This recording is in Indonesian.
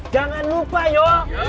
jangan lupa yo